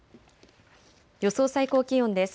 予想最高気温です。